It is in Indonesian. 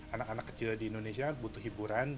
anak anak kecil di indonesia kan butuh hiburan